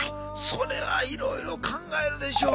それはいろいろ考えるでしょう。